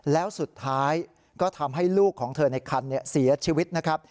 แล้วสุดท้ายก็ทำให้ลูกของเธอในคันเสียชีวิตนะครับ